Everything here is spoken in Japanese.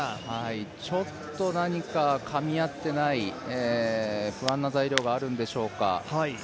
ちょっと何かかみ合ってない不安な材料があるんでしょうか。